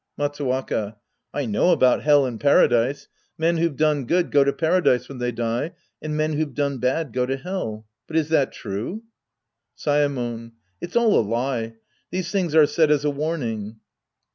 Matsuwaka. I know about Hell and Paradise. Men who've done good go to Paradise when they die, and men who've done bad go to Hell. But is that true ? Saemon. It's all a lie. These things are said as a warning.